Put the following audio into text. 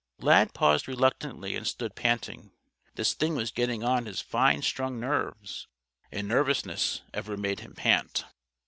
_" Lad paused reluctantly and stood panting. This thing was getting on his fine strung nerves. And nervousness ever made him pant.